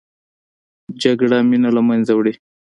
جګړه مینه له منځه وړي